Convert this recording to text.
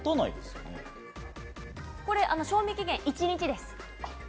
賞味期限１日です。